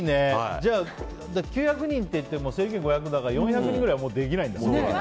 じゃあ、９００人っていっても整理券が５００だから４００人ぐらいはできないんだね。